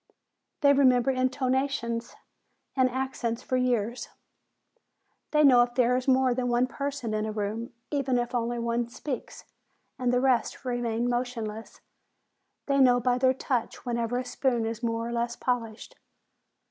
"They remember intonations and accents for years. 156 FEBRUARY They know if there is more than one person in a room, even if only one speaks, and the rest remain motionless. They know by their touch whether a spoon is more or less polished.